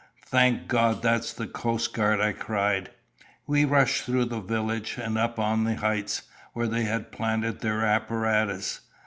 "Thank God! that's the coastguard," I cried. We rushed through the village, and up on the heights, where they had planted their apparatus.